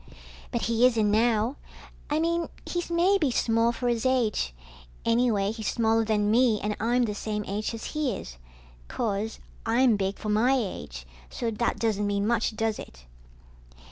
But he isn't now, I mean he's maybe small for his age, anyway he's smaller than me, and I'm the same age as he is. 'Course, I'm big for my age, so that doesn't mean much, does it?